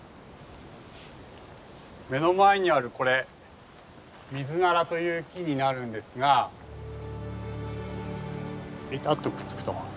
目の前にあるこれミズナラという木になるんですがベタッとくっつくと。